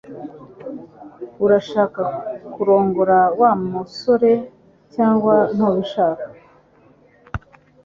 Urashaka kurongora Wa musore cyangwa ntubishaka?